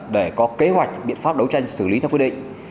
để có kế hoạch biện pháp đấu tranh xử lý theo quy định